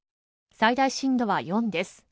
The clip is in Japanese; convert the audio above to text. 最大震度は４です。